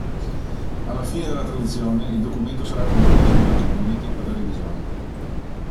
Alla fine della traduzione il documento sarà condiviso nella community per la revisione.